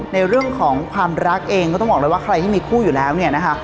ในเรื่องของความรักเองก็ต้องบอกเลยว่าใครที่มีคู่อยู่แล้วเนี่ยนะคะ